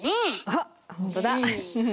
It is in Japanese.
あっ本当だ。